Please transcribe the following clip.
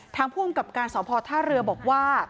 ผู้อำกับการสพท่าเรือบอกว่า